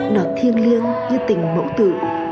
nọt thiêng liêng như tình mẫu tử